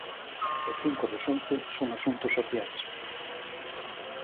E cinco dos once son asuntos sociais.